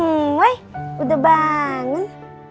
eh gemoy udah bangun